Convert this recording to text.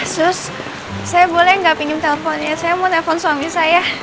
sus saya boleh nggak pinjem teleponnya saya mau telepon suami saya